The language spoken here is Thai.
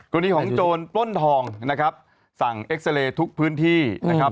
กรณีของโจรปล้นทองนะครับสั่งเอ็กซาเรย์ทุกพื้นที่นะครับ